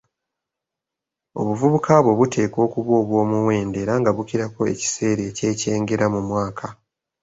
Obuvubuka bwo buteekwa okuba obw'omuwendo era nga bukirako ekiseera eky'ekyengera mu mwaka.